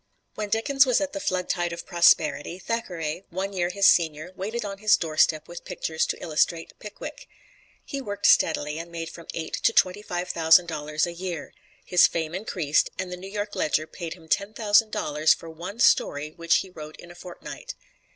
When Dickens was at the flood tide of prosperity, Thackeray, one year his senior, waited on his doorstep with pictures to illustrate "Pickwick." He worked steadily, and made from eight to twenty five thousand dollars a year. His fame increased, and the "New York Ledger" paid him ten thousand dollars for one story which he wrote in a fortnight.